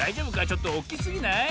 ちょっとおっきすぎない？